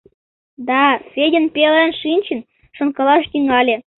Да, Федян пелен шинчын, шонкалаш тӱҥале.